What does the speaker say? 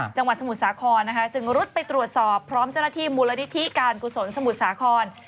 สมุทรสาครนะคะจึงรุดไปตรวจสอบพร้อมเจ้าหน้าที่มูลนิธิการกุศลสมุทรสาคร